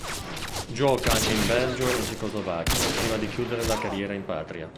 Gioca anche in Belgio e Cecoslovacchia, prima di chiudere la carriera in patria.